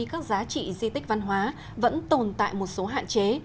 các giá trị di tích văn hóa vẫn tồn tại một số hạn chế